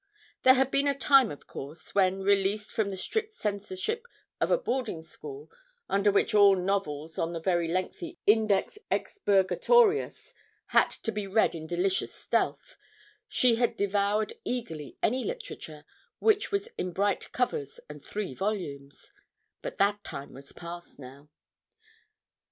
There had been a time of course, when, released from the strict censorship of a boarding school under which all novels on the very lengthy index expurgatorius had to be read in delicious stealth, she had devoured eagerly any literature which was in bright covers and three volumes but that time was past now.